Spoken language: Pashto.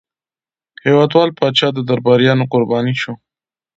هېوادپال پاچا د درباریانو قرباني شو.